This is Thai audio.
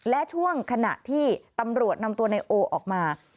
และช่วงขณะที่ตำรวจนำตัวนายโอออกมา